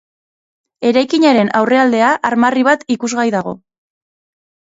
Eraikinaren aurrealdea armarri bat ikusgai dago.